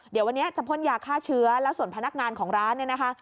เดี๋ยววันนี้จะพ่นยาฆ่าเชื้อแล้วส่วนพนักงานของร้านเนี่ยนะคะ